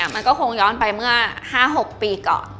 มันก็คงย้อนไปเมื่อ๕๖ปีก่อน